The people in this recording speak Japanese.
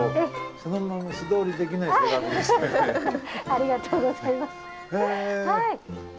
ありがとうございます。